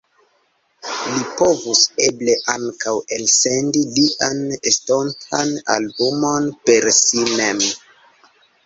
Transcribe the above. Li povus eble ankaŭ elsendi lian estontan albumon per si mem.